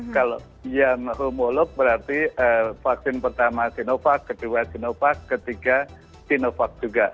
kalau yang homolog berarti vaksin pertama sinovac kedua sinovac ketiga sinovac juga